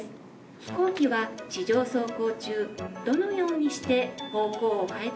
飛行機は地上走行中どのようにして方向を変えているでしょうか？